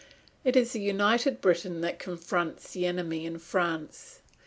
It is a United Britain that confronts the enemy in France.